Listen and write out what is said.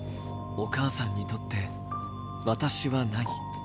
お母さんにとって、私は何？